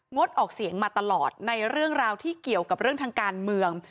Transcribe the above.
ดออกเสียงมาตลอดในเรื่องราวที่เกี่ยวกับเรื่องทางการเมือง